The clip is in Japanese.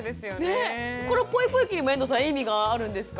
この「ポイポイ期」にも遠藤さん意味があるんですか？